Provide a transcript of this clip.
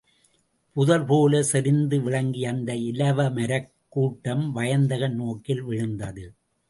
புதர்போலச் செறிந்து விளங்கிய அந்த இலவமரக் கூட்டம், வயந்தகன் நோக்கில் விழுந்தது.